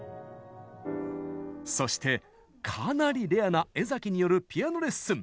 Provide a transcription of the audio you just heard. そして、かなりレアな江崎によるピアノレッスン。